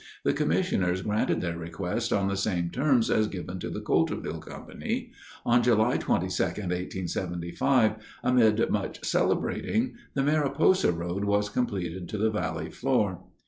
The commissioners granted their request on the same terms as given to the Coulterville Company. On July 22, 1875, amid much celebrating, the Mariposa Road was completed to the valley floor.